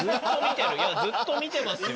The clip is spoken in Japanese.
ずっと見てますよ。